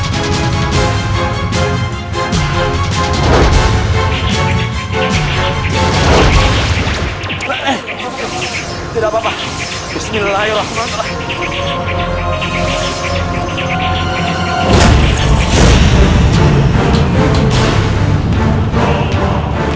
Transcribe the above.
demikian itu adalah buatan kami